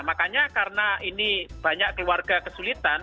makanya karena ini banyak keluarga kesulitan